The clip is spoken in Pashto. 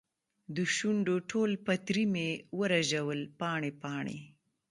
دشونډو ټول پتري مې ورژول پاڼې ، پاڼې